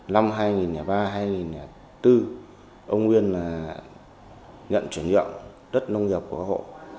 năm hai nghìn ba hai nghìn bốn ông nguyên nhận chuyển nhượng đất nông nghiệp của các hộ